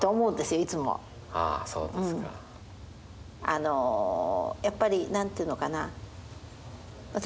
あのやっぱり何ていうのかな私